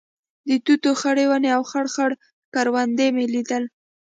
د توتو خړې ونې او خړ خړ کروندې مې لیدل.